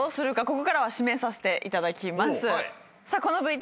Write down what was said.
ここからは指名させていただきます。